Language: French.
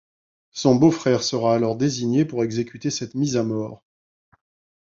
Son beau-frère sera alors désigné pour exécuter cette mise à mort.